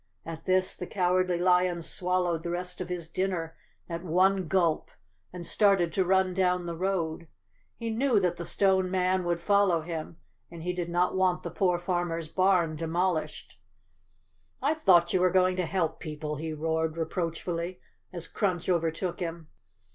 At this the Cowardly Lion swallowed the rest of his dinner at one gulp and started to run down the road. He knew that the Stone Man would follow him and he did not want the poor farmer's barn demolished. " I thought you were going to help people," he roared reproachfully, as Crunch overtook him.